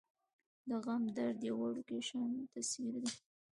د غم درد يو وړوکے شان تصوير دے ۔